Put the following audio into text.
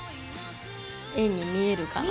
円に見えるかな。